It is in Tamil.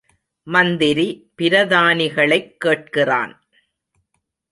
மந்திரி பிரதானிகளைக் கேட்கிறான்.